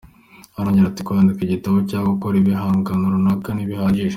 Arongera ati “Kwandika igitabo cyangwa gukora igihangano runaka ntibihagije.